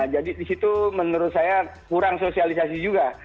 jadi di situ menurut saya kurang sosialisasi juga